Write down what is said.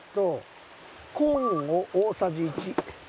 コーンを大さじ１。